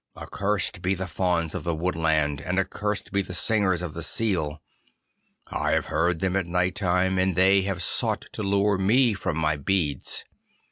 Accursed be the Fauns of the woodland, and accursed be the singers of the sea! I have heard them at night time, and they have sought to lure me from my beads.